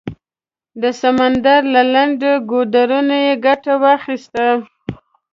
د سمندر له لنډ ګودره یې ګټه واخیسته.